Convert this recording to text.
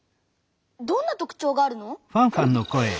どんな特ちょうがあるの？